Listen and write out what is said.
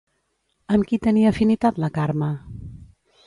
Amb qui tenia afinitat la Carme?